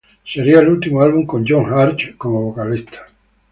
Sería el último álbum con John Arch como vocalista.